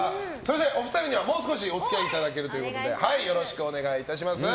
お二人にはもう少しお付き合いいただけるということでよろしくお願いいたします。